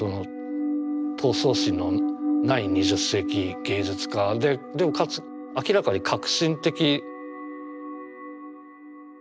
闘争心のない２０世紀芸術家ででもかつ明らかに革新的。